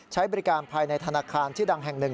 ใช้บริการภายในธนาคารชื่อดังแห่งหนึ่ง